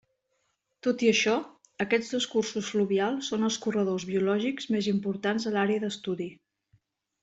Tot i això, aquests dos cursos fluvials són els corredors biològics més importants a l'àrea d'estudi.